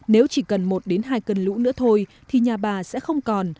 nếu chỉ cần một đến hai cơn lũ nữa thôi thì nhà bà sẽ không còn